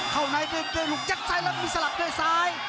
เข้านายไปเป็นกรุงเจ็ดใส่ขึ้นแล้วมีสลับขึ้นไปซ้าย